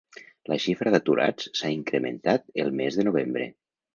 La xifra d'aturats s'ha incrementat el mes de novembre.